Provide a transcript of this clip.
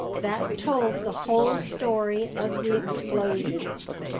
That told the whole story of the explosion.